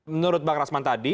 menurut bang rasman tadi